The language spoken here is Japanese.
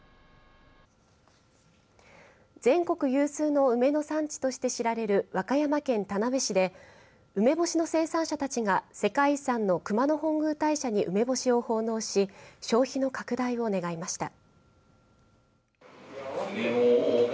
全国有数の梅の産地として知られる和歌山県田辺市で梅干しの生産者たちが世界遺産の熊野本宮大社に梅干しを奉納し消費の拡大を願いました。